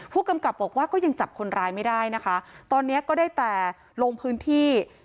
ผู้กำกับบอกว่าก็ยังจับคนร้ายไม่ได้นะคะตอนนี้ก็ได้แต่ลงพื้นที่